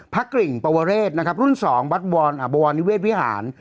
พระกริ่งปวเรศรุ่น๒บัตรบวรนิเวศวิหาร